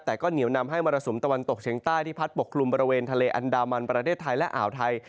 แต่ก็เหนียวนำให้มรสุมตะวันตกเฉียงใต้ที่พัดปกคลุมบริเวณทะเลอันดามันประเทศไทยและอ่าวไทย